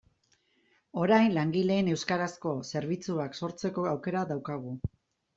Orain langileen euskarazko zerbitzuak sortzeko aukera daukagu.